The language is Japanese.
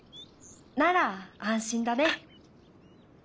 なら安心だね。